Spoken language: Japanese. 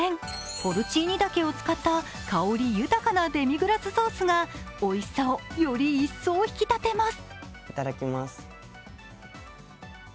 ポルチーニを使った香り豊かなデミグラスソースがおいしさをより一層引き立てます。